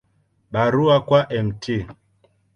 Barua kwa Mt.